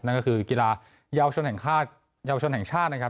นั่นก็คือกีฬาเยาวชนแห่งชาตินะครับ